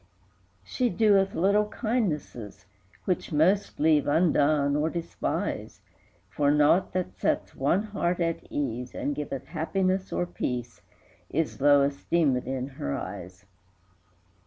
IV. She doeth little kindnesses, Which most leave undone, or despise; For naught that sets one heart at ease, And giveth happiness or peace, Is low esteemèd in her eyes.